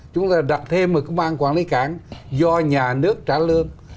chúng ta đặt thêm một công an quản lý cảng do nhà nước trả lương